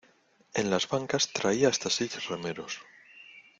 en las bancas traía hasta seis remeros.